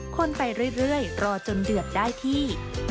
คนไปเรื่อยรอจนเดือดได้ที่